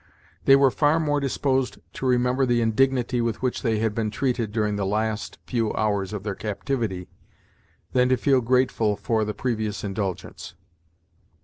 They were far more disposed to remember the indignity with which they had been treated during the last few hours of their captivity, than to feel grateful for the previous indulgence.